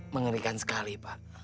mengerikan sekali pak